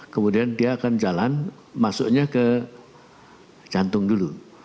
kemudian dia akan jalan masuknya ke jantung dulu